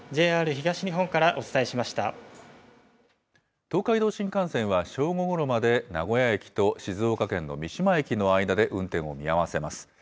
東海道新幹線は正午ごろまで名古屋駅と静岡県の三島駅の間で運転を見合わせます。